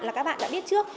là các bạn đã biết trước